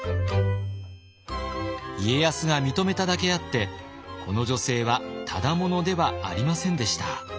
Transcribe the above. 家康が認めただけあってこの女性はただ者ではありませんでした。